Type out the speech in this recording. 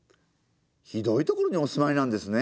「ひどいところにおすまいなんですネ！！」。